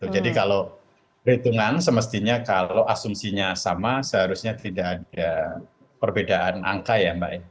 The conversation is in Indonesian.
jadi kalau perhitungan semestinya kalau asumsinya sama seharusnya tidak ada perbedaan angka ya mbak eva